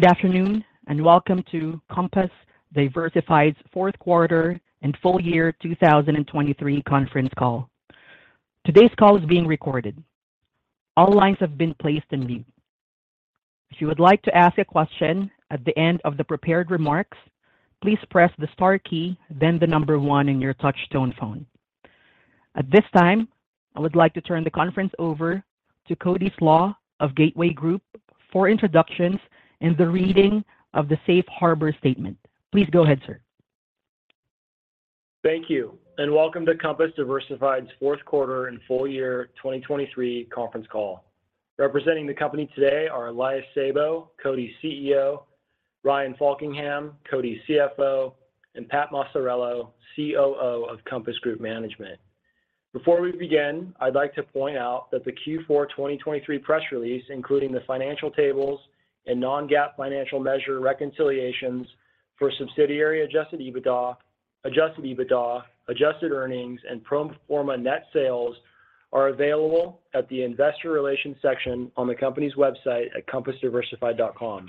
Good afternoon, and welcome to Compass Diversified's Q4 and full year 2023 conference call. Today's call is being recorded. All lines have been placed in mute. If you would like to ask a question at the end of the prepared remarks, please press the star key, then the number one in your touchtone phone. At this time, I would like to turn the conference over to Cody Slach of Gateway Group for introductions and the reading of the Safe Harbor statement. Please go ahead, sir. Thank you, and welcome to Compass Diversified's Q4 and full year 2023 conference call. Representing the company today are Elias Sabo, Compass Diversified's CEO, Ryan Faulkingham, Compass Diversified's CFO, and Pat Maciariello, COO of Compass Group Management. Before we begin, I'd like to point out that the Q4 2023 press release, including the financial tables and non-GAAP financial measure reconciliations for subsidiary adjusted EBITDA, adjusted EBITDA, adjusted earnings, and pro forma net sales, are available at the investor relations section on the company's website at compassdiversified.com.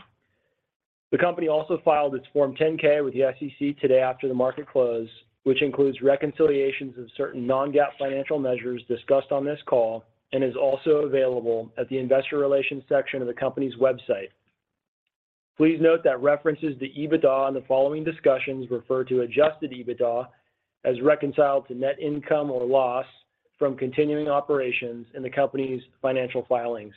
The company also filed its Form 10-K with the SEC today after the market close, which includes reconciliations of certain non-GAAP financial measures discussed on this call and is also available at the investor relations section of the company's website. Please note that references to EBITDA in the following discussions refer to adjusted EBITDA as reconciled to net income or loss from continuing operations in the company's financial filings.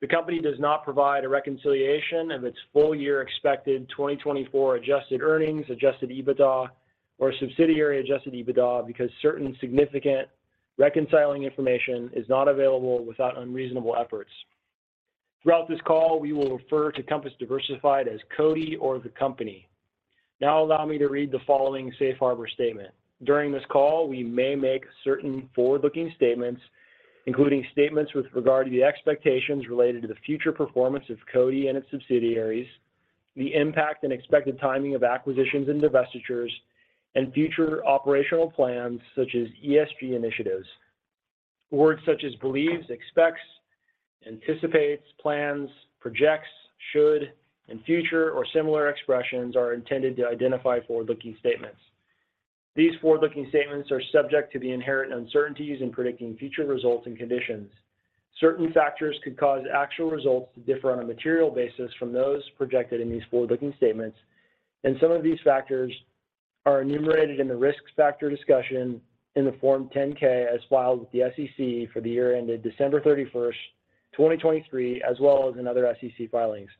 The company does not provide a reconciliation of its full-year expected 2024 adjusted earnings, adjusted EBITDA, or subsidiary adjusted EBITDA because certain significant reconciling information is not available without unreasonable efforts. Throughout this call, we will refer to Compass Diversified as Cody or the company. Now allow me to read the following Safe Harbor statement. During this call, we may make certain forward-looking statements, including statements with regard to the expectations related to the future performance of Cody and its subsidiaries, the impact and expected timing of acquisitions and divestitures, and future operational plans such as ESG initiatives. Words such as believes, expects, anticipates, plans, projects, should, and future or similar expressions are intended to identify forward-looking statements. These forward-looking statements are subject to the inherent uncertainties in predicting future results and conditions. Certain factors could cause actual results to differ on a material basis from those projected in these forward-looking statements, and some of these factors are enumerated in the risk factor discussion in the Form 10-K as filed with the SEC for the year ended December 31, 2023, as well as in other SEC filings.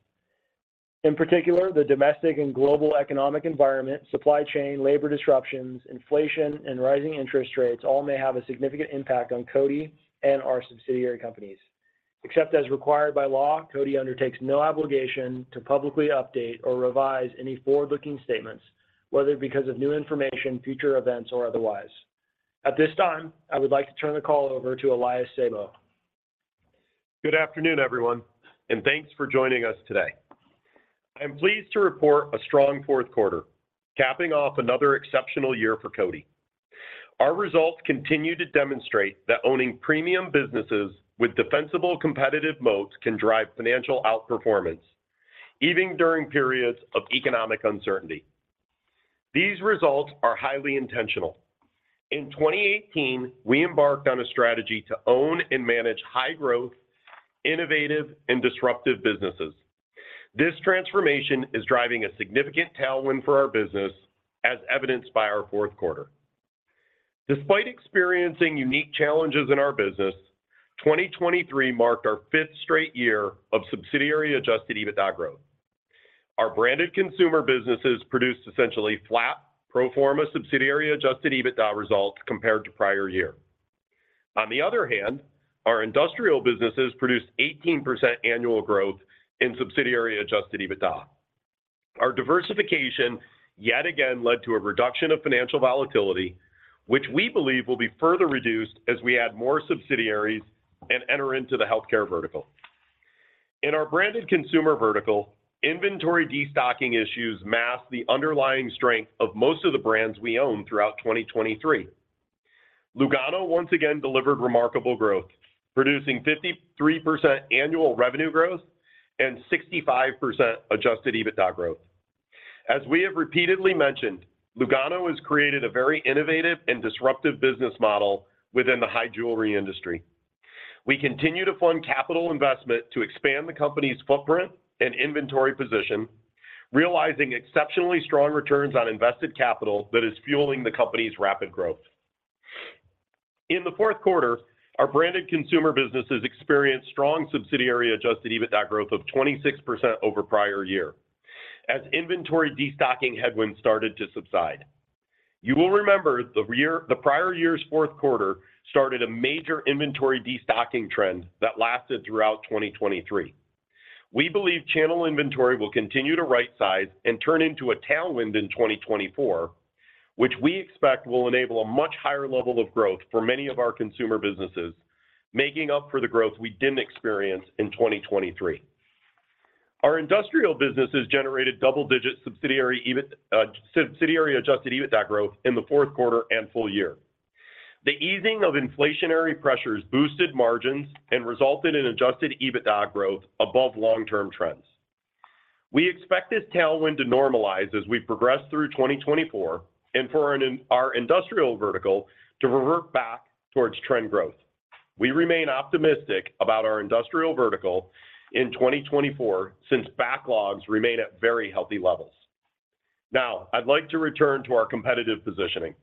In particular, the domestic and global economic environment, supply chain, labor disruptions, inflation, and rising interest rates all may have a significant impact on CODI and our subsidiary companies. Except as required by law, CODI undertakes no obligation to publicly update or revise any forward-looking statements, whether because of new information, future events, or otherwise. At this time, I would like to turn the call over to Elias Sabo. Good afternoon, everyone, and thanks for joining us today. I'm pleased to report a strong Q4, capping off another exceptional year for CODI. Our results continue to demonstrate that owning premium businesses with defensible competitive moats can drive financial outperformance, even during periods of economic uncertainty. These results are highly intentional. In 2018, we embarked on a strategy to own and manage high-growth, innovative, and disruptive businesses. This transformation is driving a significant tailwind for our business, as evidenced by our Q4. Despite experiencing unique challenges in our business, 2023 marked our fifth straight year of Subsidiary Adjusted EBITDA growth. Our branded consumer businesses produced essentially flat pro forma Subsidiary Adjusted EBITDA results compared to prior year. On the other hand, our industrial businesses produced 18% annual growth in Subsidiary Adjusted EBITDA. Our diversification yet again led to a reduction of financial volatility, which we believe will be further reduced as we add more subsidiaries and enter into the healthcare vertical. In our branded consumer vertical, inventory destocking issues masked the underlying strength of most of the brands we owned throughout 2023. Lugano once again delivered remarkable growth, producing 53% annual revenue growth and 65% Adjusted EBITDA growth. As we have repeatedly mentioned, Lugano has created a very innovative and disruptive business model within the high jewelry industry. We continue to fund capital investment to expand the company's footprint and inventory position, realizing exceptionally strong returns on invested capital that is fueling the company's rapid growth. In the Q4, our branded consumer businesses experienced strong Subsidiary Adjusted EBITDA growth of 26% over prior year as inventory destocking headwinds started to subside. You will remember the year—the prior year's Q4 started a major inventory destocking trend that lasted throughout 2023. We believe channel inventory will continue to right size and turn into a tailwind in 2024, which we expect will enable a much higher level of growth for many of our consumer businesses, making up for the growth we didn't experience in 2023. Our industrial businesses generated double-digit subsidiary EBITDA, subsidiary adjusted EBITDA growth in the Q4 and full year. The easing of inflationary pressures boosted margins and resulted in adjusted EBITDA growth above long-term trends. We expect this tailwind to normalize as we progress through 2024 and for our industrial vertical to revert back towards trend growth. We remain optimistic about our industrial vertical in 2024, since backlogs remain at very healthy levels. Now, I'd like to return to our competitive positioning.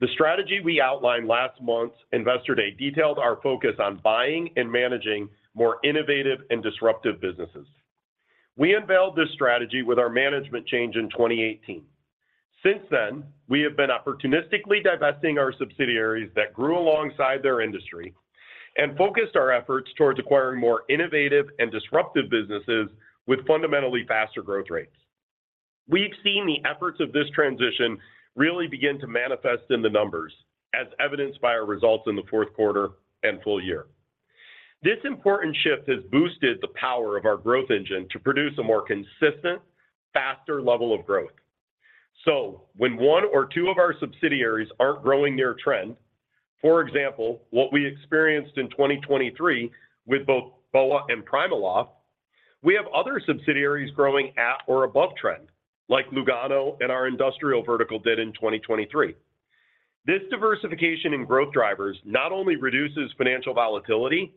The strategy we outlined last month's Investor Day detailed our focus on buying and managing more innovative and disruptive businesses. We unveiled this strategy with our management change in 2018. Since then, we have been opportunistically divesting our subsidiaries that grew alongside their industry and focused our efforts towards acquiring more innovative and disruptive businesses with fundamentally faster growth rates. We've seen the efforts of this transition really begin to manifest in the numbers, as evidenced by our results in the Q4 and full year. This important shift has boosted the power of our growth engine to produce a more consistent, faster level of growth. So when one or two of our subsidiaries aren't growing near trend, for example, what we experienced in 2023 with both BOA and PrimaLoft, we have other subsidiaries growing at or above trend, like Lugano and our industrial vertical did in 2023. This diversification in growth drivers not only reduces financial volatility,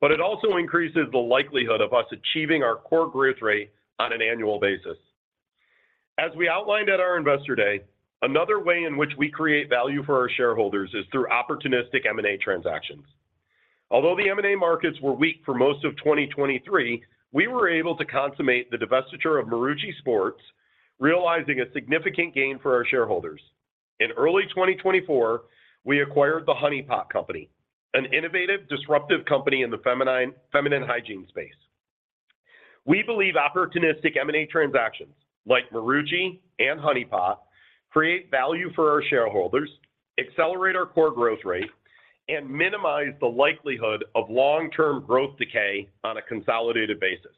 but it also increases the likelihood of us achieving our core growth rate on an annual basis. As we outlined at our Investor Day, another way in which we create value for our shareholders is through opportunistic M&A transactions. Although the M&A markets were weak for most of 2023, we were able to consummate the divestiture of Marucci Sports, realizing a significant gain for our shareholders. In early 2024, we acquired the Honey Pot Company, an innovative, disruptive company in the feminine, feminine hygiene space. We believe opportunistic M&A transactions, like Marucci and Honey Pot, create value for our shareholders, accelerate our core growth rate, and minimize the likelihood of long-term growth decay on a consolidated basis.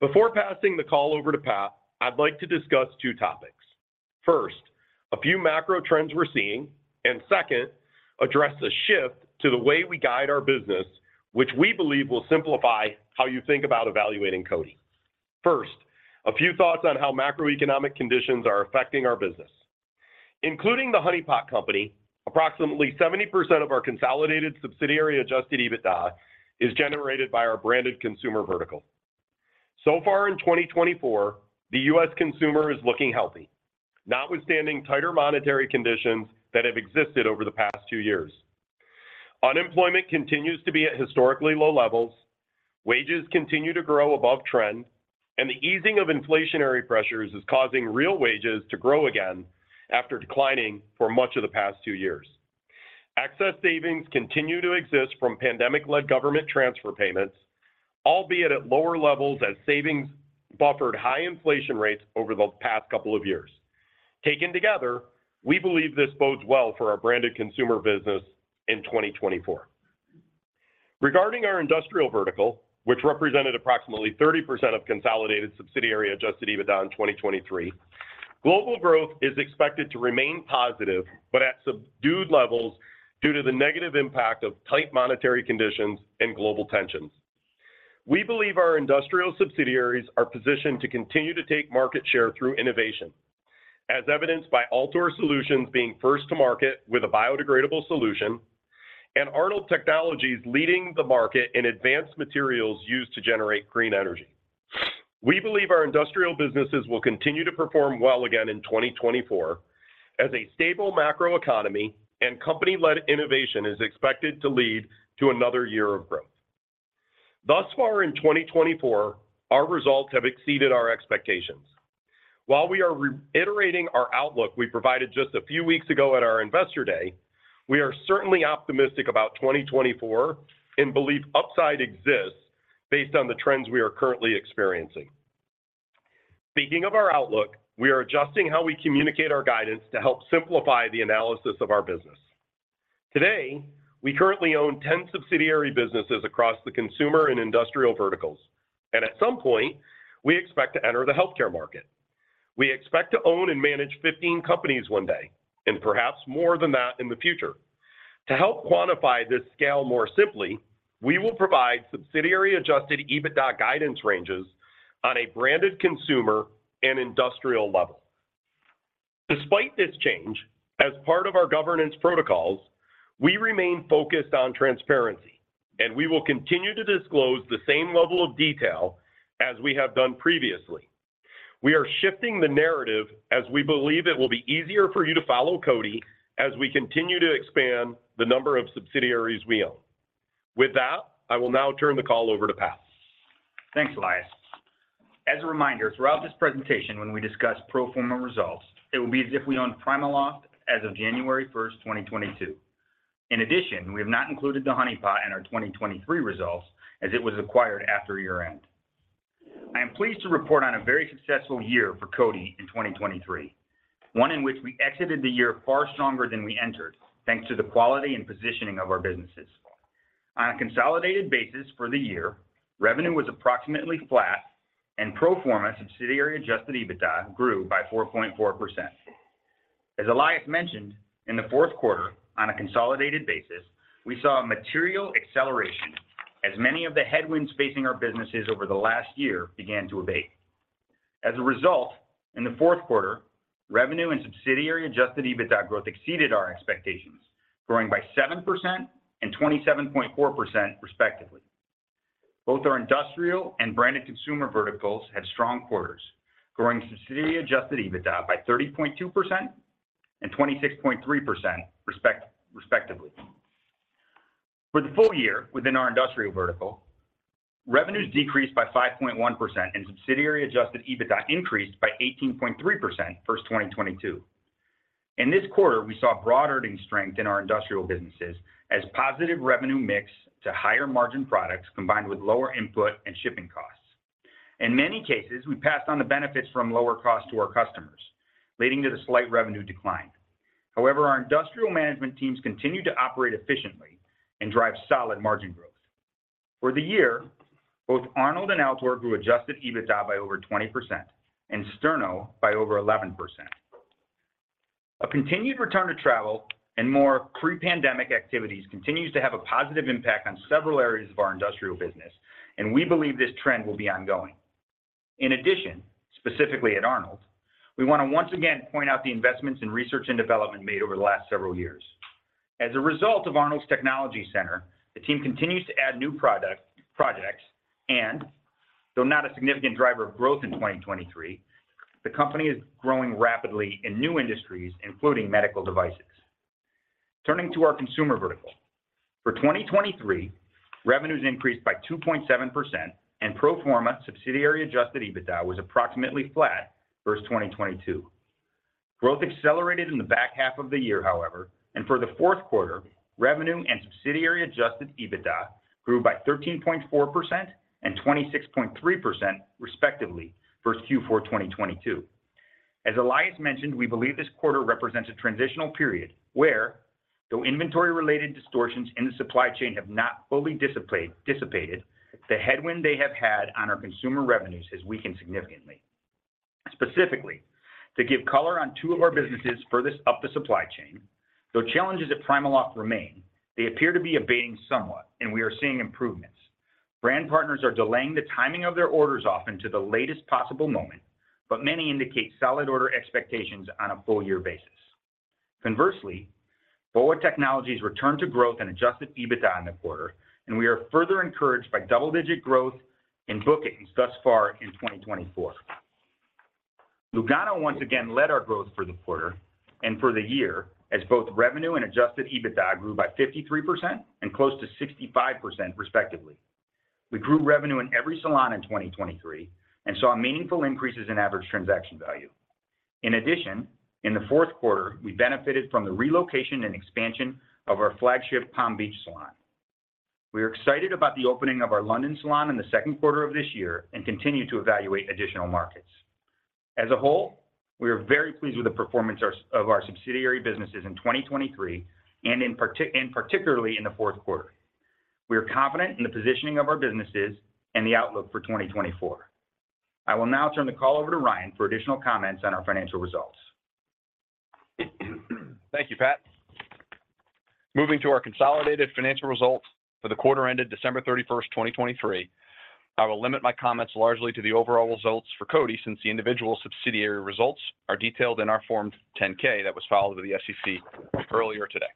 Before passing the call over to Pat, I'd like to discuss 2 topics. First, a few macro trends we're seeing, and second, address the shift to the way we guide our business, which we believe will simplify how you think about evaluating Cody. First, a few thoughts on how macroeconomic conditions are affecting our business. Including the Honey Pot Company, approximately 70% of our consolidated subsidiary adjusted EBITDA is generated by our branded consumer vertical. So far in 2024, the U.S. consumer is looking healthy, notwithstanding tighter monetary conditions that have existed over the past 2 years. Unemployment continues to be at historically low levels, wages continue to grow above trend, and the easing of inflationary pressures is causing real wages to grow again after declining for much of the past two years. Excess savings continue to exist from pandemic-led government transfer payments, albeit at lower levels as savings buffered high inflation rates over the past couple of years. Taken together, we believe this bodes well for our branded consumer business in 2024. Regarding our industrial vertical, which represented approximately 30% of consolidated Subsidiary Adjusted EBITDA in 2023, global growth is expected to remain positive, but at subdued levels due to the negative impact of tight monetary conditions and global tensions. We believe our industrial subsidiaries are positioned to continue to take market share through innovation, as evidenced by Altor Solutions being first to market with a biodegradable solution, and Arnold Technologies leading the market in advanced materials used to generate green energy. We believe our industrial businesses will continue to perform well again in 2024 as a stable macroeconomy and company-led innovation is expected to lead to another year of growth. Thus far in 2024, our results have exceeded our expectations. While we are reiterating our outlook we provided just a few weeks ago at our Investor Day, we are certainly optimistic about 2024 and believe upside exists based on the trends we are currently experiencing. Speaking of our outlook, we are adjusting how we communicate our guidance to help simplify the analysis of our business. Today, we currently own 10 subsidiary businesses across the consumer and industrial verticals, and at some point, we expect to enter the healthcare market. We expect to own and manage 15 companies one day, and perhaps more than that in the future. To help quantify this scale more simply, we will provide Subsidiary-Adjusted EBITDA guidance ranges on a branded consumer and industrial level. Despite this change, as part of our governance protocols, we remain focused on transparency, and we will continue to disclose the same level of detail as we have done previously. We are shifting the narrative as we believe it will be easier for you to follow Cody as we continue to expand the number of subsidiaries we own. With that, I will now turn the call over to Pat. Thanks, Elias. As a reminder, throughout this presentation, when we discuss Pro Forma results, it will be as if we own PrimaLoft as of January 1, 2022. In addition, we have not included The Honey Pot in our 2023 results as it was acquired after year-end. I am pleased to report on a very successful year for CODI in 2023, one in which we exited the year far stronger than we entered, thanks to the quality and positioning of our businesses.... On a consolidated basis for the year, revenue was approximately flat, and Pro Forma subsidiary adjusted EBITDA grew by 4.4%. As Elias mentioned, in the Q4, on a consolidated basis, we saw a material acceleration as many of the headwinds facing our businesses over the last year began to abate. As a result, in the Q4, revenue and Subsidiary Adjusted EBITDA growth exceeded our expectations, growing by 7% and 27.4%, respectively. Both our industrial and branded consumer verticals had strong quarters, growing Subsidiary Adjusted EBITDA by 30.2% and 26.3%, respectively. For the full year, within our industrial vertical, revenues decreased by 5.1%, and Subsidiary Adjusted EBITDA increased by 18.3% versus 2022. In this quarter, we saw broad earning strength in our industrial businesses as positive revenue mix to higher margin products, combined with lower input and shipping costs. In many cases, we passed on the benefits from lower costs to our customers, leading to the slight revenue decline. However, our industrial management teams continued to operate efficiently and drive solid margin growth. For the year, both Arnold and Altor grew Adjusted EBITDA by over 20% and Sterno by over 11%. A continued return to travel and more pre-pandemic activities continues to have a positive impact on several areas of our industrial business, and we believe this trend will be ongoing. In addition, specifically at Arnold, we want to once again point out the investments in research and development made over the last several years. As a result of Arnold's Technology Center, the team continues to add new product, projects, and, though not a significant driver of growth in 2023, the company is growing rapidly in new industries, including medical devices. Turning to our consumer vertical. For 2023, revenues increased by 2.7%, and Pro Forma subsidiary Adjusted EBITDA was approximately flat versus 2022. Growth accelerated in the back half of the year, however, and for the Q4, revenue and Subsidiary Adjusted EBITDA grew by 13.4% and 26.3%, respectively, versus Q4 2022. As Elias mentioned, we believe this quarter represents a transitional period where, though inventory-related distortions in the supply chain have not fully dissipated, the headwind they have had on our consumer revenues has weakened significantly. Specifically, to give color on two of our businesses furthest up the supply chain, though challenges at PrimaLoft remain, they appear to be abating somewhat, and we are seeing improvements. Brand partners are delaying the timing of their orders often to the latest possible moment, but many indicate solid order expectations on a full-year basis. Conversely, BOA Technology's return to growth and adjusted EBITDA in the quarter, and we are further encouraged by double-digit growth in bookings thus far in 2024. Lugano, once again, led our growth for the quarter and for the year as both revenue and adjusted EBITDA grew by 53% and close to 65%, respectively. We grew revenue in every salon in 2023 and saw meaningful increases in average transaction value. In addition, in the Q4, we benefited from the relocation and expansion of our flagship Palm Beach salon. We are excited about the opening of our London salon in the Q2 of this year and continue to evaluate additional markets. As a whole, we are very pleased with the performance of our subsidiary businesses in 2023 and particularly in the Q4. We are confident in the positioning of our businesses and the outlook for 2024. I will now turn the call over to Ryan for additional comments on our financial results. Thank you, Pat. Moving to our consolidated financial results for the quarter ended December 31, 2023, I will limit my comments largely to the overall results for CODI, since the individual subsidiary results are detailed in our Form 10-K that was filed with the SEC earlier today.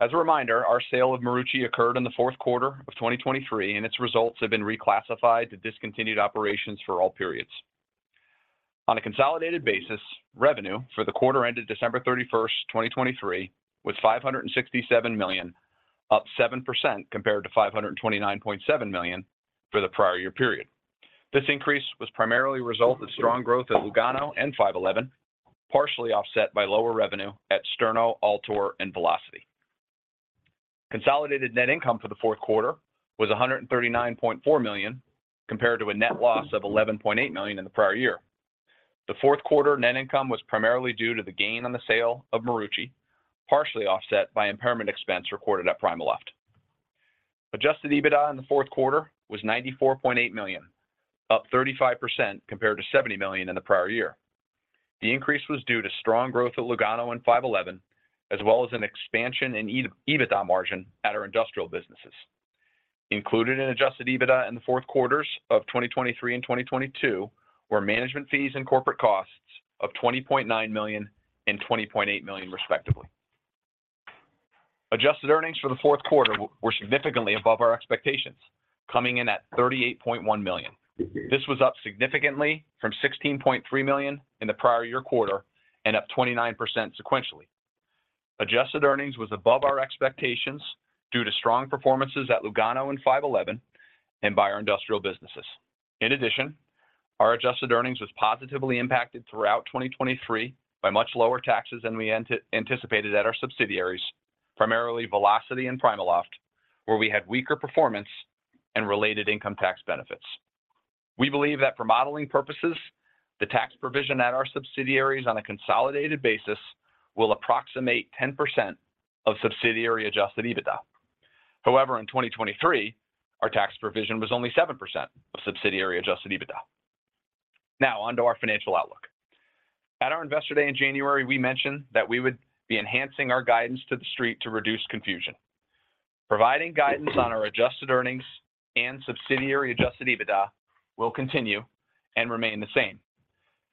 As a reminder, our sale of Marucci occurred in the Q4 of 2023, and its results have been reclassified to discontinued operations for all periods. On a consolidated basis, revenue for the quarter ended December thirty-first, 2023, was $567 million, up 7% compared to $529.7 million for the prior year period. This increase was primarily a result of strong growth at Lugano and 5.11, partially offset by lower revenue at Sterno, Altor, and Velocity. Consolidated net income for the Q4 was $139.4 million, compared to a net loss of $11.8 million in the prior year. The Q4 net income was primarily due to the gain on the sale of Marucci, partially offset by impairment expense recorded at PrimaLoft. Adjusted EBITDA in the Q4 was $94.8 million, up 35%, compared to $70 million in the prior year. The increase was due to strong growth at Lugano and 5.11, as well as an expansion in EBITDA margin at our industrial businesses. Included in adjusted EBITDA in the Q4s of 2023 and 2022 were management fees and corporate costs of $20.9 million and $20.8 million, respectively. Adjusted earnings for the Q4 were significantly above our expectations, coming in at $38.1 million. This was up significantly from $16.3 million in the prior year quarter and up 29% sequentially. Adjusted earnings was above our expectations due to strong performances at Lugano and 5.11 and by our industrial businesses. In addition, our adjusted earnings was positively impacted throughout 2023 by much lower taxes than we anticipated at our subsidiaries, primarily Velocity and PrimaLoft, where we had weaker performance and related income tax benefits.... We believe that for modeling purposes, the tax provision at our subsidiaries on a consolidated basis will approximate 10% of subsidiary adjusted EBITDA. However, in 2023, our tax provision was only 7% of subsidiary adjusted EBITDA. Now, on to our financial outlook. At our Investor Day in January, we mentioned that we would be enhancing our guidance to the street to reduce confusion. Providing guidance on our adjusted earnings and subsidiary adjusted EBITDA will continue and remain the same.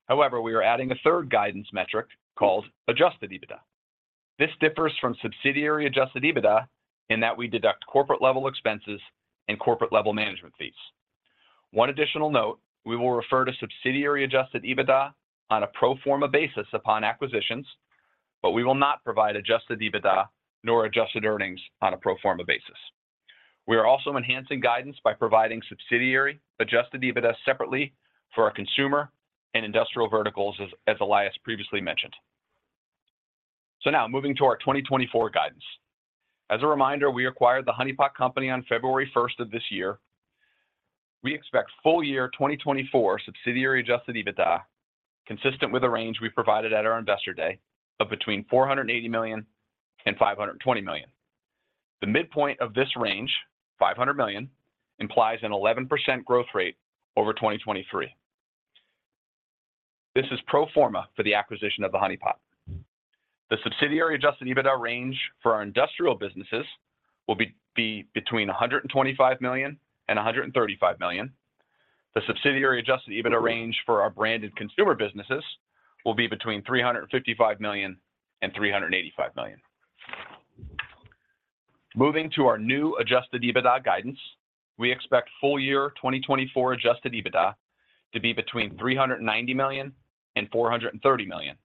However, we are adding a third guidance metric called adjusted EBITDA. This differs from subsidiary adjusted EBITDA in that we deduct corporate-level expenses and corporate-level management fees. One additional note: we will refer to subsidiary adjusted EBITDA on a pro forma basis upon acquisitions, but we will not provide adjusted EBITDA nor adjusted earnings on a pro forma basis. We are also enhancing guidance by providing subsidiary adjusted EBITDA separately for our consumer and industrial verticals, as Elias previously mentioned. Now moving to our 2024 guidance. As a reminder, we acquired the Honey Pot Company on February 1 of this year. We expect full year 2024 subsidiary adjusted EBITDA, consistent with the range we provided at our Investor Day, of between $480 million and $520 million. The midpoint of this range, $500 million, implies an 11% growth rate over 2023. This is pro forma for the acquisition of the Honey Pot. The subsidiary adjusted EBITDA range for our industrial businesses will be between $125 million and $135 million. The subsidiary adjusted EBITDA range for our branded consumer businesses will be between $355 million and $385 million. Moving to our new adjusted EBITDA guidance, we expect full year 2024 adjusted EBITDA to be between $390 million and $430 million.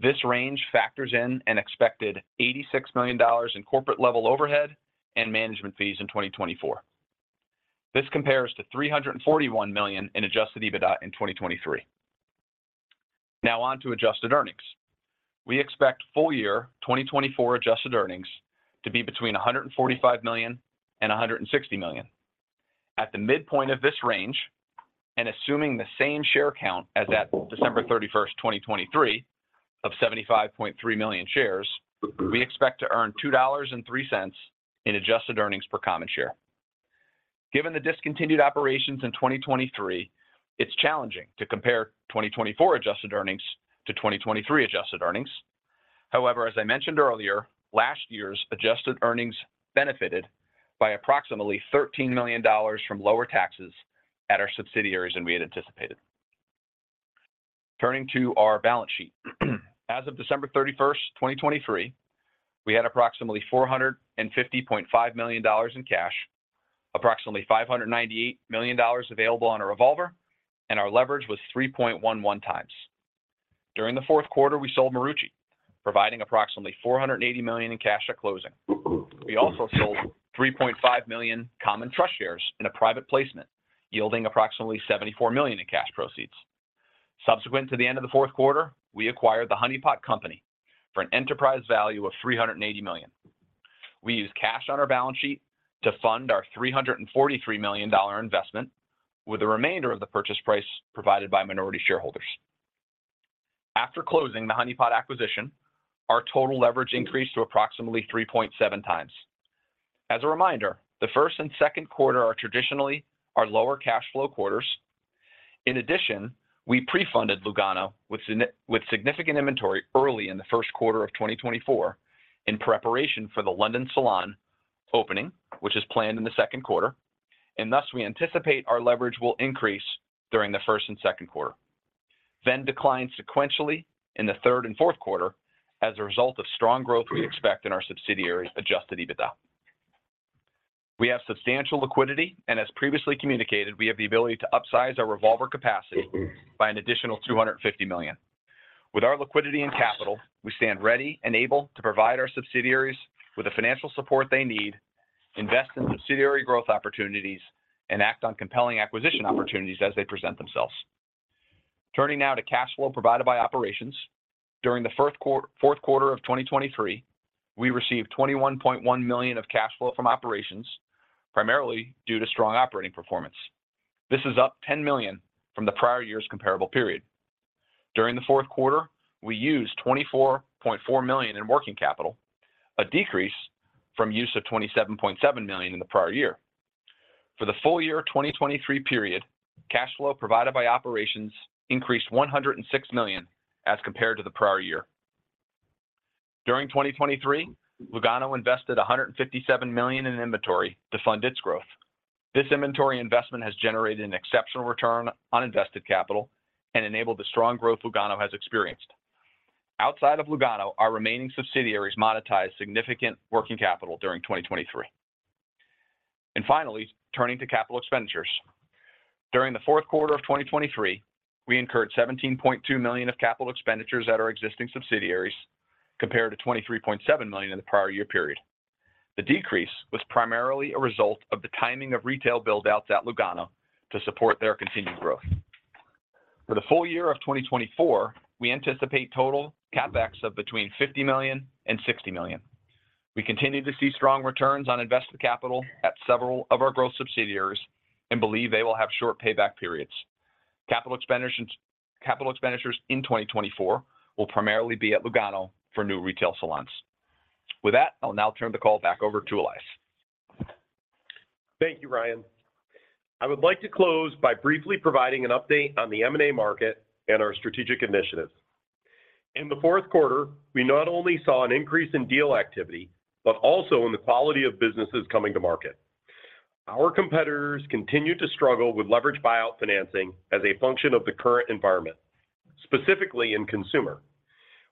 This range factors in an expected $86 million in corporate-level overhead and management fees in 2024. This compares to $341 million in Adjusted EBITDA in 2023. Now on to Adjusted Earnings. We expect full year 2024 Adjusted Earnings to be between $145 million and $160 million. At the midpoint of this range, and assuming the same share count as at December 31, 2023, of 75.3 million shares, we expect to earn $2.03 in Adjusted Earnings per common share. Given the discontinued operations in 2023, it's challenging to compare 2024 Adjusted Earnings to 2023 Adjusted Earnings. However, as I mentioned earlier, last year's Adjusted Earnings benefited by approximately $13 million from lower taxes at our subsidiaries than we had anticipated. Turning to our balance sheet. As of December 31, 2023, we had approximately $450.5 million in cash, approximately $598 million available on a revolver, and our leverage was 3.11x. During the Q4, we sold Marucci, providing approximately $480 million in cash at closing. We also sold 3.5 million common trust shares in a private placement, yielding approximately $74 million in cash proceeds. Subsequent to the end of the Q4, we acquired The Honey Pot Company for an enterprise value of $380 million. We used cash on our balance sheet to fund our $343 million investment, with the remainder of the purchase price provided by minority shareholders. After closing the Honey Pot acquisition, our total leverage increased to approximately 3.7x. As a reminder, the first and Q2 are traditionally our lower cash flow quarters. In addition, we pre-funded Lugano with significant inventory early in the Q1 of 2024 in preparation for the London salon opening, which is planned in the Q2, and thus, we anticipate our leverage will increase during the first and Q2, then decline sequentially in the third and Q4 as a result of strong growth we expect in our subsidiaries' Adjusted EBITDA. We have substantial liquidity, and as previously communicated, we have the ability to upsize our revolver capacity by an additional $250 million. With our liquidity and capital, we stand ready and able to provide our subsidiaries with the financial support they need, invest in subsidiary growth opportunities, and act on compelling acquisition opportunities as they present themselves. Turning now to cash flow provided by operations. During the Q4 of 2023, we received $21.1 million of cash flow from operations, primarily due to strong operating performance. This is up $10 million from the prior year's comparable period. During the Q4, we used $24.4 million in working capital, a decrease from use of $27.7 million in the prior year. For the full year 2023 period, cash flow provided by operations increased $106 million as compared to the prior year. During 2023, Lugano invested $157 million in inventory to fund its growth. This inventory investment has generated an exceptional return on invested capital and enabled the strong growth Lugano has experienced. Outside of Lugano, our remaining subsidiaries monetized significant working capital during 2023. And finally, turning to capital expenditures. During the Q4 of 2023, we incurred $17.2 million of capital expenditures at our existing subsidiaries, compared to $23.7 million in the prior year period. The decrease was primarily a result of the timing of retail build-outs at Lugano to support their continued growth. For the full year of 2024, we anticipate total CapEx of between $50 million and $60 million. We continue to see strong returns on invested capital at several of our growth subsidiaries and believe they will have short payback periods. Capital expenditures in 2024 will primarily be at Lugano for new retail salons. With that, I'll now turn the call back over to Elias. Thank you, Ryan. I would like to close by briefly providing an update on the M&A market and our strategic initiatives. In the Q4, we not only saw an increase in deal activity, but also in the quality of businesses coming to market. Our competitors continued to struggle with leveraged buyout financing as a function of the current environment, specifically in consumer.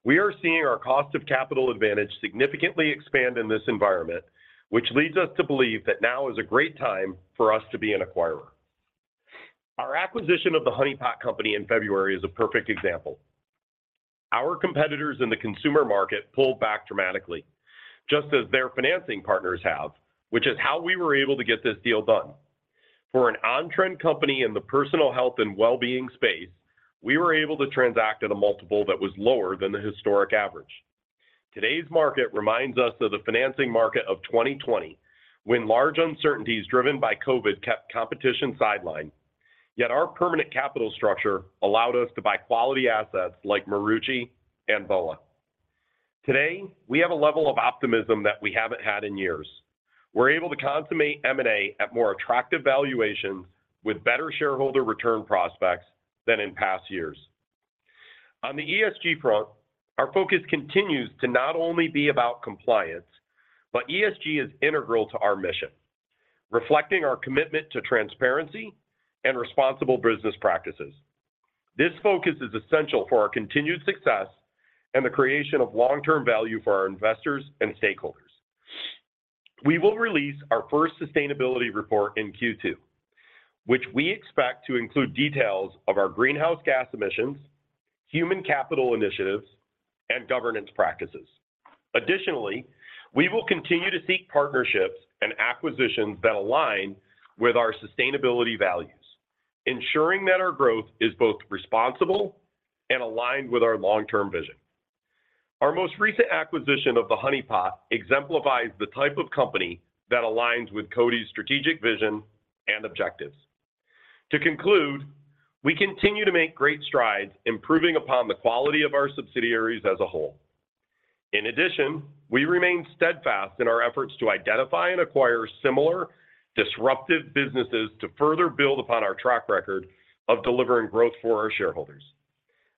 We are seeing our cost of capital advantage significantly expand in this environment, which leads us to believe that now is a great time for us to be an acquirer. Our acquisition of The Honey Pot Company in February is a perfect example. Our competitors in the consumer market pulled back dramatically, just as their financing partners have, which is how we were able to get this deal done. For an on-trend company in the personal health and well-being space, we were able to transact at a multiple that was lower than the historic average. Today's market reminds us of the financing market of 2020, when large uncertainties driven by COVID kept competition sidelined. Yet our permanent capital structure allowed us to buy quality assets like Marucci and BOA. Today, we have a level of optimism that we haven't had in years. We're able to consummate M&A at more attractive valuations with better shareholder return prospects than in past years. On the ESG front, our focus continues to not only be about compliance, but ESG is integral to our mission, reflecting our commitment to transparency and responsible business practices. This focus is essential for our continued success and the creation of long-term value for our investors and stakeholders. We will release our first sustainability report in Q2, which we expect to include details of our greenhouse gas emissions, human capital initiatives, and governance practices. Additionally, we will continue to seek partnerships and acquisitions that align with our sustainability values, ensuring that our growth is both responsible and aligned with our long-term vision. Our most recent acquisition of the Honey Pot exemplifies the type of company that aligns with CODI's strategic vision and objectives. To conclude, we continue to make great strides, improving upon the quality of our subsidiaries as a whole. In addition, we remain steadfast in our efforts to identify and acquire similar disruptive businesses to further build upon our track record of delivering growth for our shareholders.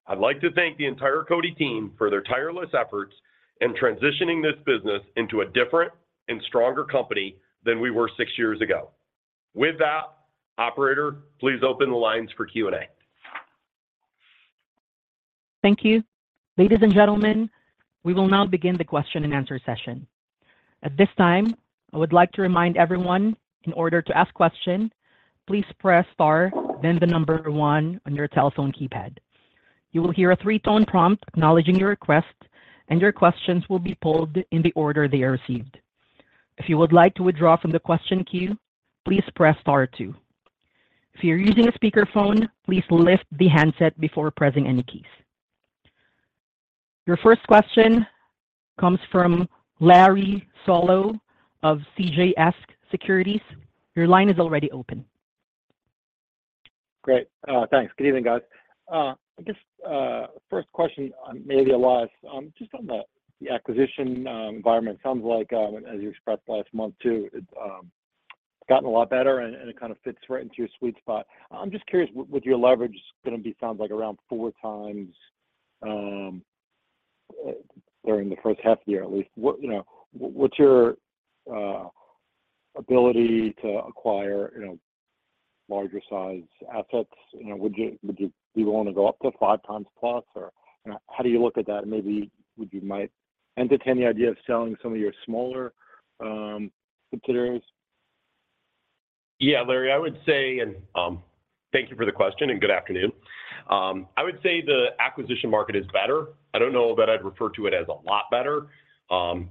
I'd like to thank the entire CODI team for their tireless efforts in transitioning this business into a different and stronger company than we were six years ago. With that, operator, please open the lines for Q&A. Thank you. Ladies and gentlemen, we will now begin the question and answer session. At this time, I would like to remind everyone, in order to ask question, please press star, then the number 1 on your telephone keypad. You will hear a 3-tone prompt acknowledging your request, and your questions will be pulled in the order they are received. If you would like to withdraw from the question queue, please press star 2. If you're using a speakerphone, please lift the handset before pressing any keys. Your first question comes from Larry Solow of CJS Securities. Your line is already open. Great. Thanks. Good evening, guys. I guess first question on maybe a lot, just on the acquisition environment. Sounds like, as you expressed last month, too, it's gotten a lot better and it kind of fits right into your sweet spot. I'm just curious, with your leverage, it's gonna be sounds like around 4x during the first half year, at least. What, you know, what's your ability to acquire, you know, larger size assets? You know, would you, would you be willing to go up to 5x plus, or how do you look at that? Maybe would you might entertain the idea of selling some of your smaller subsidiaries? Yeah, Larry, I would say, and, thank you for the question, and good afternoon. I would say the acquisition market is better. I don't know that I'd refer to it as a lot better.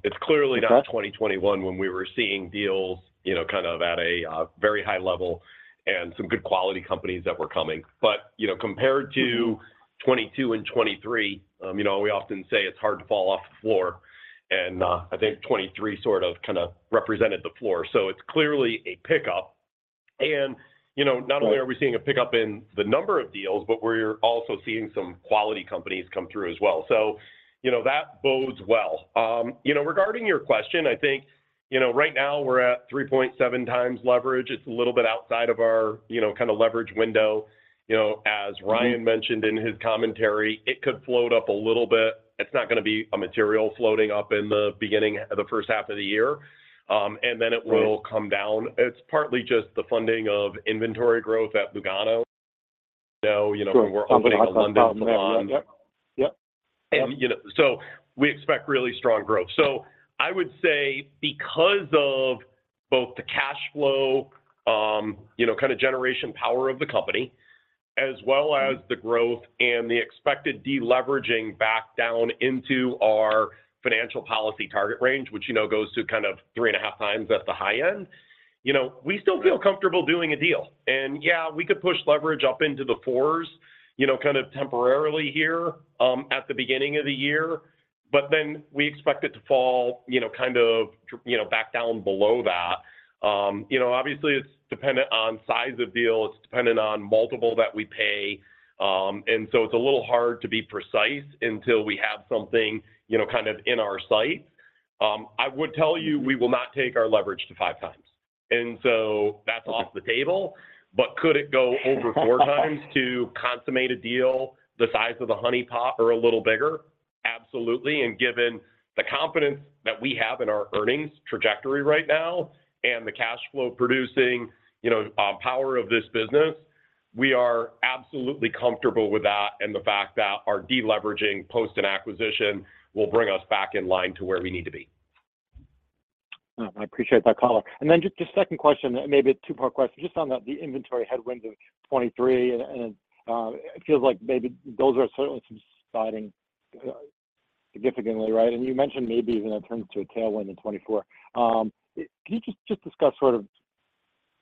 It's clearly not- Okay... 2021 when we were seeing deals, you know, kind of at a very high level and some good quality companies that were coming. But, you know, compared to 2022 and 2023, you know, we often say it's hard to fall off the floor, and I think 2023 sort of kinda represented the floor. So it's clearly a pickup. And, you know, not only are we seeing a pickup in the number of deals, but we're also seeing some quality companies come through as well. So, you know, that bodes well. You know, regarding your question, I think, you know, right now we're at 3.7 times leverage. It's a little bit outside of our, you know, kind of leverage window. You know, as Ryan mentioned in his commentary, it could float up a little bit. It's not gonna be a material floating up in the beginning of the first half of the year, and then it will come down. It's partly just the funding of inventory growth at Lugano. So, you know, we're opening a London salon. Yep. And, you know, so we expect really strong growth. So I would say because of both the cash flow, you know, kind of generation power of the company, as well as the growth and the expected deleveraging back down into our financial policy target range, which, you know, goes to kind of 3.5 times at the high end, you know, we still feel comfortable doing a deal. And, yeah, we could push leverage up into the 4s... you know, kind of temporarily here, at the beginning of the year, but then we expect it to fall, you know, kind of, you know, back down below that. You know, obviously, it's dependent on size of deal, it's dependent on multiple that we pay, and so it's a little hard to be precise until we have something, you know, kind of in our sight. I would tell you, we will not take our leverage to 5x, and so that's off the table. But could it go over 4x to consummate a deal the size of the Honey Pot or a little bigger? Absolutely. And given the confidence that we have in our earnings trajectory right now and the cash flow producing, you know, power of this business, we are absolutely comfortable with that, and the fact that our de-leveraging post an acquisition will bring us back in line to where we need to be. I appreciate that color. Then just a second question, and maybe a two-part question, just on the inventory headwinds of 2023, and it feels like maybe those are certainly subsiding significantly, right? And you mentioned maybe even it turned into a tailwind in 2024. Can you just discuss sort of